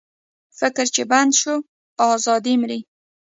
فکر چې بند شو، ازادي مري.